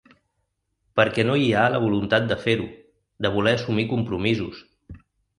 Perquè no hi ha la voluntat de fer-ho, de voler assumir compromisos.